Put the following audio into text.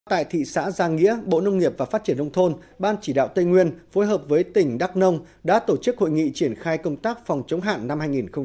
tại thị xã giang nghĩa bộ nông nghiệp và phát triển nông thôn ban chỉ đạo tây nguyên phối hợp với tỉnh đắk nông đã tổ chức hội nghị triển khai công tác phòng chống hạn năm hai nghìn hai mươi